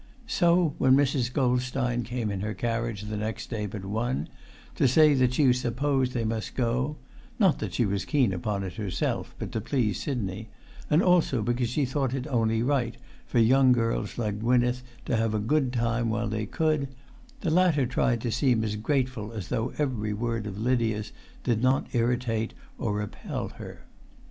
So when Mrs. Goldstein came in her carriage on the next day but one, to say that she supposed they must go, not that she was keen upon it herself, but to please Sidney, and also because she thought it only right for young girls like Gwynneth to have a good time while they could, the latter tried to seem as grateful as though every word of Lydia's did not ir[Pg 297]ritate or repel her.